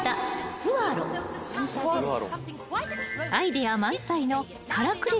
［アイデア満載のからくり